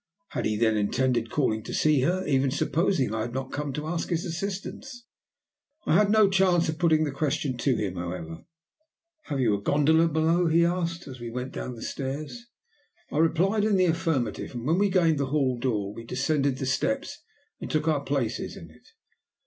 Had he then intended calling to see her, even supposing I had not come to ask his assistance? I had no chance of putting the question to him, however. "Have you a gondola below?" he asked, as we went down the stairs. I replied in the affirmative; and when we gained the hall door we descended the steps and took our places in it.